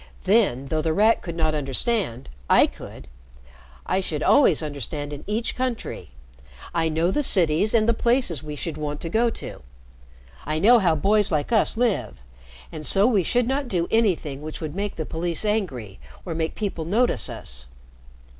"Then, though The Rat could not understand, I could. I should always understand in each country. I know the cities and the places we should want to go to. I know how boys like us live, and so we should not do anything which would make the police angry or make people notice us.